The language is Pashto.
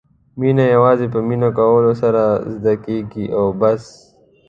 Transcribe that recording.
مینه یوازې په مینه کولو سره زده کېږي او بس.